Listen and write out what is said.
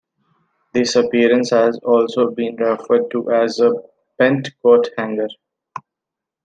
This appearance has also been referred to as a "bent coat hanger".